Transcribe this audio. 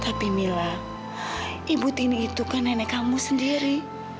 tapi mila ibu tini itu kan nenek kamu sendiri